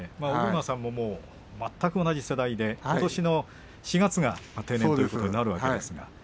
尾車さんも全く同じ世代でことしの４月が定年ということになるわけですね。